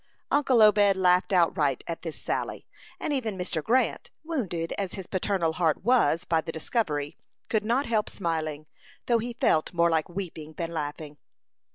Uncle Obed laughed outright at this sally, and even Mr. Grant, wounded as his paternal heart was by the discovery, could not help smiling, though he felt more like weeping than laughing.